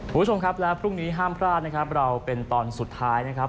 คุณผู้ชมครับและพรุ่งนี้ห้ามพลาดนะครับเราเป็นตอนสุดท้ายนะครับ